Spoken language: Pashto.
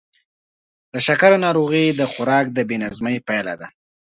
د شکرو ناروغي د خوراک د بې نظمۍ پایله ده.